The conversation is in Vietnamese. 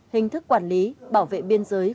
hình thức quản lý bảo vệ biên giới